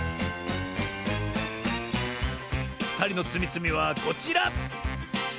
ふたりのつみつみはこちら！